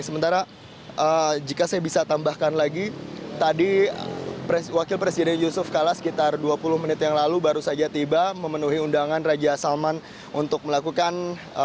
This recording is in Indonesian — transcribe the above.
sementara jika saya bisa tambahkan lagi tadi wakil presiden yusuf kala sekitar dua puluh menit yang lalu baru saja tiba memenuhi undangan raja salman untuk melakukan